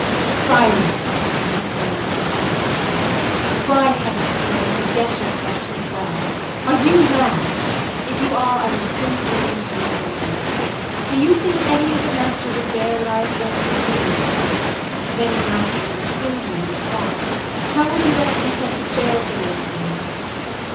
"Silence!" he exclaimed, in a thundering voice. "By heavens, girl, you forget yourself too far! Are you mad? If you are, I will soon bring you to your senses. Do you think any other master would bear what I have borne from you this morning? Many masters would have killed you on the spot. How would you like to be sent to jail for your insolence?"